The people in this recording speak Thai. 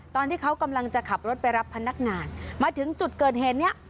ตอนที่เขากำลังจะขับรถไปรับพนักงานมาถึงจุดเกิดเหตุเนี้ย